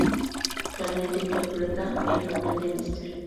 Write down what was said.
Actualmente interpreta el papel de Mr.